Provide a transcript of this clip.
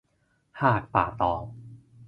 หาดป่าตอง